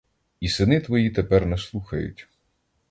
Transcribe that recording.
І сини твої тепер не слухають.